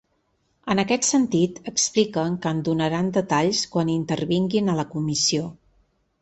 En aquest sentit, expliquen que en donaran detalls quan intervinguin a la comissió.